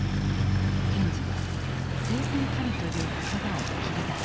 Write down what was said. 検事は「青酸カリ」という言葉を切り出す。